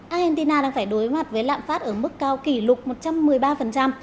argentina đang phải đối mặt với lạm phát ở mức cao kỷ lục một trăm một mươi ba